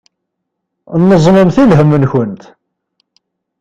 Neẓmemt i lhem-nkent.